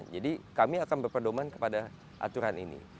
jadi kami akan berpedoman kepada aturan ini